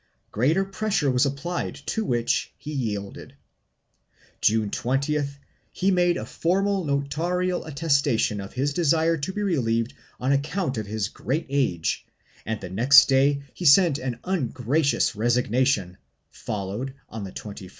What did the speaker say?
Greater pressure was applied to which he yielded. June 20th he made a formal notarial attestation of his desire to be relieved on account of his great age and the next day he sent in an un gracious resignation, followed, on the 24th by one addressed to the pope.